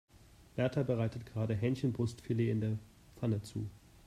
Berta bereitet gerade Hähnchenbrustfilet in der Pfanne zu.